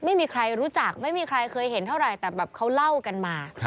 ไม่มีใครรู้จักไม่มีใครเคยเห็นเท่าไหร่แต่แบบเขาเล่ากันมา